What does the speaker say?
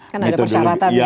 kan ada persyaratan ya